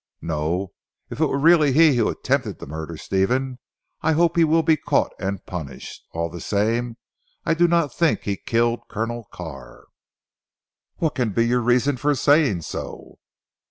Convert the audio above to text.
"No, if it were really he who attempted to murder Stephen I hope he will be caught and punished. All the same I do not think he killed Colonel Carr." "What can be your reason for saying so?"